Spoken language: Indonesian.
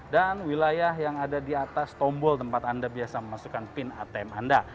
dan wilayah yang ada di atas tombol tempat anda biasa memasukkan pin atm anda